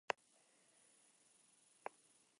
Esto le sirvió para coger experiencia.